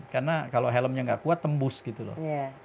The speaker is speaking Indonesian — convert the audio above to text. karena kalau helmnya nggak kuat tembus gitu loh